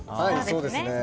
そうですね。